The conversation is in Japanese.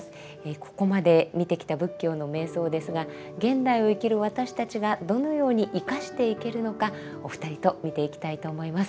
ここまで見てきた仏教の瞑想ですが現代を生きる私たちがどのように生かしていけるのかお二人と見ていきたいと思います。